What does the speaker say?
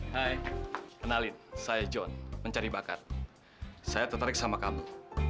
hai kenalin saya john mencari bakat saya tertarik sama kamu